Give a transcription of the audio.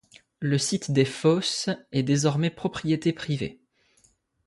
Le site des fosses est désormais propriété privée.